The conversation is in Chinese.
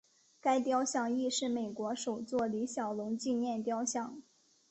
该雕像亦是美国首座李小龙纪念雕像。